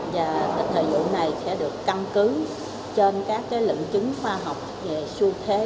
và lịch hợp dụng này sẽ được căn cứ trên các lượng chứng khoa học về xu thế